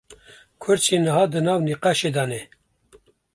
Kurd jî niha di nav nîqaşê de ne